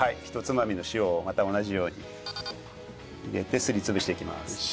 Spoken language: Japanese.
ひとつまみの塩をまた同じように入れてすり潰していきます。